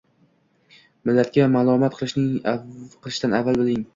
Millatga malomat qilishdan avval biling.